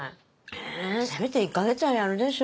えせめて１か月はやるでしょ。